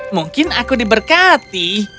mungkin aku diberkati